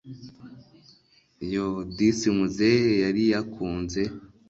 yooh disi muzehe yari yakunze